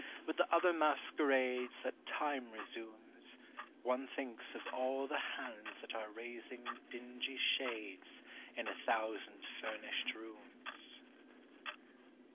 With the other masquerades That time resumes, One thinks of all the hands That are raising dingy shades In a thousand furnished rooms.